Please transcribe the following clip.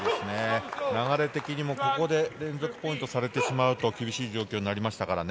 流れ的にはここで連続ポイントされてしまうと厳しい状況になりましたからね。